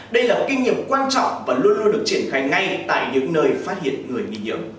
đây là kinh nghiệm quan trọng và luôn luôn được triển khai ngay tại những nơi phát hiện người nghi nhiễm